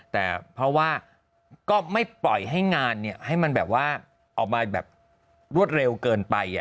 แต่เพราะว่าก็ไม่ปล่อยให้งานให้มันแบบว่าออกมาแบบรวดเร็วเกินไป